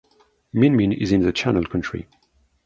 Min Min is in the Channel Country.